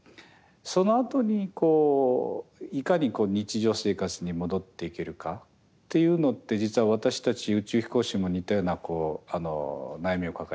そのあとにいかに日常生活に戻っていけるかっていうのって実は私たち宇宙飛行士も似たような悩みを抱えていて。